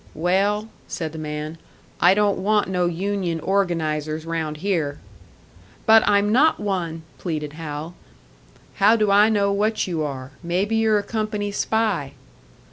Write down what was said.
"Well," said the man, "I don't want no union organisers round here." "But I'm not one," pleaded Hal. "How do I know what you are? Maybe you're a company spy."